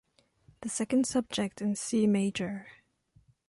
The second subject in C major.